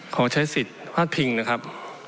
ของใช้สิทธิภาพพิงนะครับ